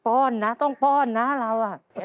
ป้อนนะต้องป้อนนะเรา